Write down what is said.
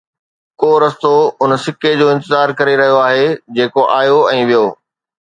ڪو رستو ان سڪي جو انتظار ڪري رهيو آهي جيڪو آيو ۽ ويو